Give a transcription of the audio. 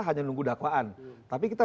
hanya nunggu dakwaan tapi kita